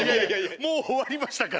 もうおわりましたから！